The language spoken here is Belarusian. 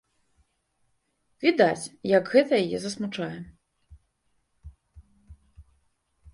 Відаць, як гэта яе засмучае.